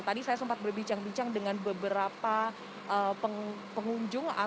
tadi saya sempat berbincang bincang dengan beberapa pengunjung atau pengguna lainnya